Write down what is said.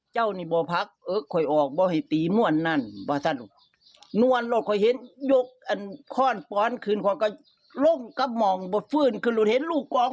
โยกข้อนฟ้อนฟ้อนเข่นข้อนก็ลงก็มองไม่พื้นคือเห็นลูกก่อน